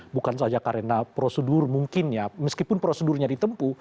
bukan saja karena prosedur mungkin ya meskipun prosedurnya ditempu